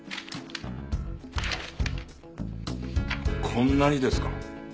こんなにですか？